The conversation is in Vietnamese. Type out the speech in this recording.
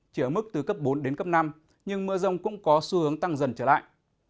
chỉ ở mức từ cấp bốn đến cấp năm nhưng mưa rông cũng có xu hướng tăng dần trở lại